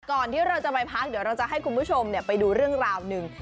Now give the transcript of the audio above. ก่อนที่เราจะไปพักเดี๋ยวเราจะให้คุณผู้ชมไปดูเรื่องราวหนึ่ง